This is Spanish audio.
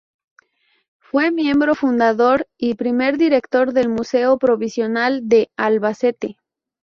Fue miembro fundador y primer director del Museo Provincial de Albacete.